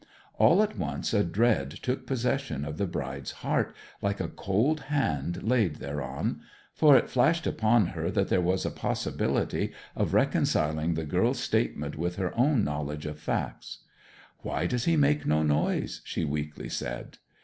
All at once a dread took possession of the bride's heart, like a cold hand laid thereon; for it flashed upon her that there was a possibility of reconciling the girl's statement with her own knowledge of facts. 'Why does he make no noise?' she weakly said.